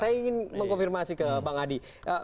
saya ingin mengkonfirmasi ke bang adi